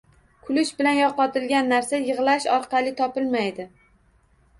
Kulish bilan yo‘qotilgan narsa yig‘lash orqali topilmaydi.